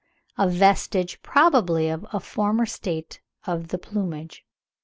—a vestige probably of a former state of the plumage.